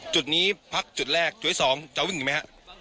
จุดนี้พักจุดแรกจุดที่๒จะวิ่งอีกไหมฮะ